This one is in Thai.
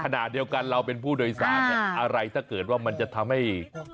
ขณะเดียวกันเราเป็นผู้โดยสารเนี่ยอะไรถ้าเกิดว่ามันจะทำให้